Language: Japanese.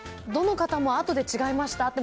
どの方も、あとで違いました？